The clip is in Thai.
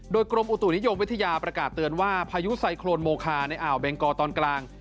โดยกรมอุตุนิยมวิทยาประกาศเตือนว่าพายุไซโครนโมคาในอ่าวเบงกอตอนกลาง